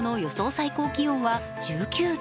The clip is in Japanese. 最高気温は１９度。